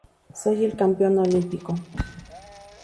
Soy el campeón olímpico.